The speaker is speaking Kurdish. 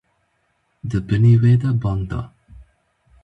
Di binê wê de bang da.